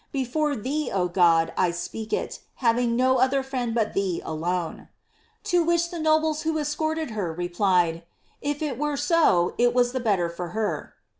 Before thee, O God, I speak it, having no other friend hut thee alone !" To which the nobles who escorted her, replied, ^ If it were so, it was the better for her."